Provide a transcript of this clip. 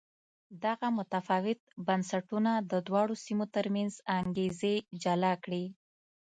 دغه متفاوت بنسټونه د دواړو سیمو ترمنځ انګېزې جلا کړې.